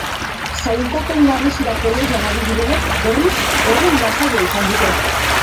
Sailkapen nagusirako lehian ari direnek, berriz, egun lasaia izan dute.